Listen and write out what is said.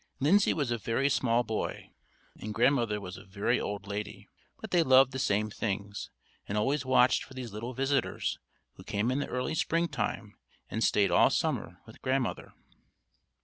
Lindsay was a very small boy, and Grandmother was a very old lady; but they loved the same things, and always watched for these little visitors, who came in the early spring time and stayed all summer with Grandmother.